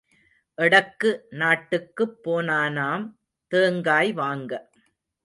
எடக்கு நாட்டுக்குப் போனானாம் தேங்காய் வாங்க.